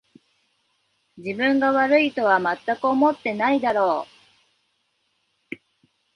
自分が悪いとはまったく思ってないだろう